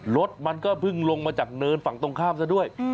รถมันก็เพิ่งลงมาจากเนินฝั่งตรงข้ามซะด้วย